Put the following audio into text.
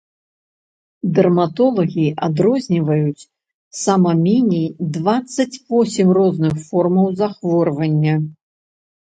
Дэрматолагі адрозніваюць, сама меней, дваццаць восем розных формаў захворвання.